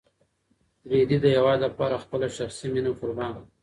رېدي د هېواد لپاره خپله شخصي مینه قربان کړه.